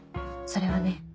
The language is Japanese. それはね。